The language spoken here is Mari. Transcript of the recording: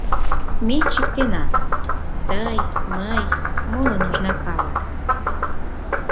Ме чиктена: тый, мый, моло нужна калык.